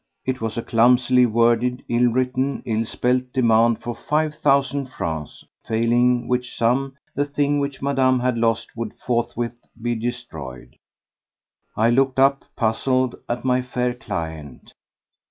It was a clumsily worded, ill written, ill spelt demand for five thousand francs, failing which sum the thing which Madame had lost would forthwith be destroyed. I looked up, puzzled, at my fair client.